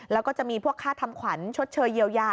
แล้วก็จะมีพวกค่าทำขวัญชดเชยเยียวยา